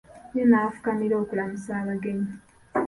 Ye n'afukamira okulamusa abagenyi.